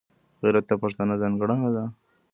غیرت د پښتانه ځانګړنه ده